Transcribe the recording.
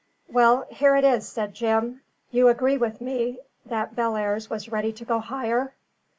"Well, here it is," said Jim. "You agree with me that Bellairs was ready to go higher?"